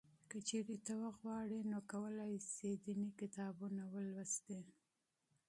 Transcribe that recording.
که چېرې ته وغواړې نو کولای شې دیني کتابونه مطالعه کړې.